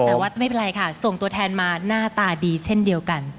แต่ว่าไม่เป็นไรค่ะส่งตัวแทนมาหน้าตาดีเช่นเดียวกัน